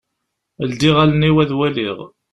Ldiɣ allen-iw ad waliɣ.